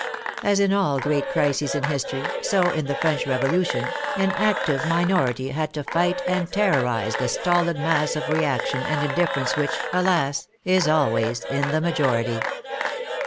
As in all great crises in history, so in the French Revolution, an active minority had to fight and terrorize the stolid mass of reaction and indifference which, alas! is always in the majority.